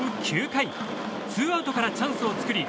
９回ツーアウトからチャンスを作り